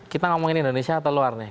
kita ngomongin indonesia atau luar nih